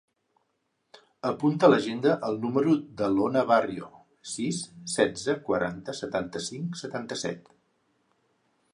Apunta a l'agenda el número de l'Ona Barrio: sis, setze, quaranta, setanta-cinc, setanta-set.